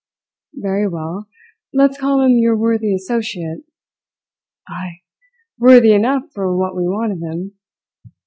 "Very well. Let's call him your worthy associate." "Ay! Worthy enough for what we want of him.